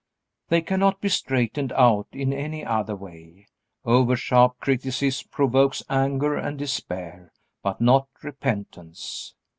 They cannot be straightened out in any other way. Oversharp criticism provokes anger and despair, but no repentance.